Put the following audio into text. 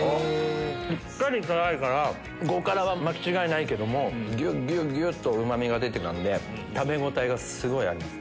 しっかり辛いから５辛は間違いないけどギュっとうまみが出てたんで食べ応えがすごいあります。